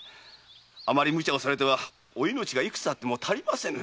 あまり無茶をされてはお命がいくつあっても足りませぬ。